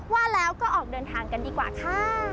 ว่าแล้วก็ออกเดินทางกันดีกว่าค่ะ